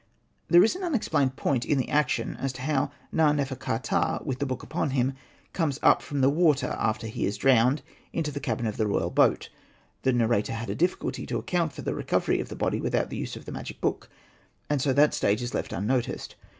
There is an unexplained point in the action as to how Na.nefer. ka.ptah, with the book upon him, comes up from the water, after he is drowned, into the cabin of the royal boat. The narrator had a difficulty to account for the recovery of the body without the use of the magic book, and so that stage is left un noticed.